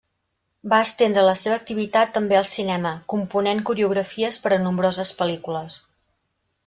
Va estendre la seva activitat també al cinema, component coreografies per a nombroses pel·lícules.